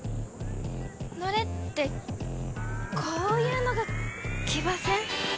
乗れってこういうのが騎馬戦？